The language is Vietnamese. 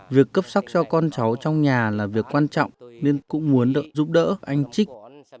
việc cấp sắc cho con cháu trong nhà là việc quan trọng nên cũng muốn giúp đỡ anh trích